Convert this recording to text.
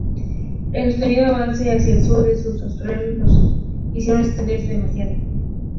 El sostenido avance hacia el sur de los australianos los hicieron extenderse demasiado.